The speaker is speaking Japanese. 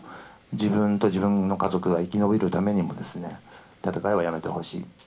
自分と自分の家族が生き延びるためにもですね、戦いはやめてほしい。